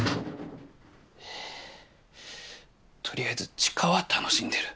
取りあえず知花は楽しんでる。